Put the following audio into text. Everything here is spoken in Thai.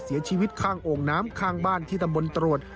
เสียชีวิตข้างโอ่งน้ำข้างบ้านที่ตำบลตรวจ